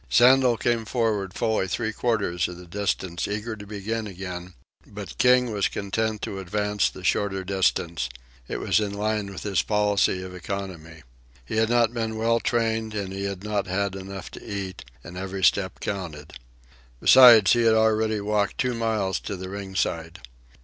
Sandel came forward fully three quarters of the distance, eager to begin again; but King was content to advance the shorter distance. It was in line with his policy of economy. He had not been well trained, and he had not had enough to eat, and every step counted. Besides, he had already walked two miles to the ringside.